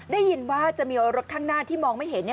ได้ยินว่าจะมีรถข้างหน้าที่มองไม่เห็นเนี่ย